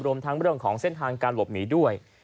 รวมทั้งเรื่องของเส้นทางการหลบหนีด้วย